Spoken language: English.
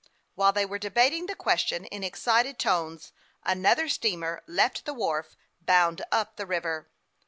While they were debating the question in excited tones, another steamer left the wharf, bound up the river.